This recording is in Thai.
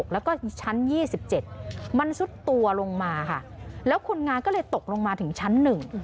แล้วก็ชั้น๒๗มันซุดตัวลงมาค่ะแล้วคนงานก็เลยตกลงมาถึงชั้นหนึ่ง